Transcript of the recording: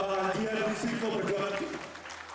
bahagia dari risiko perjuangan kita